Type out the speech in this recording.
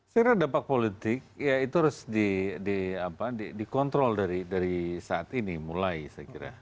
saya kira dampak politik ya itu harus dikontrol dari saat ini mulai saya kira